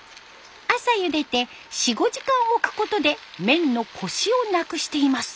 朝ゆでて４５時間置くことで麺のコシをなくしています。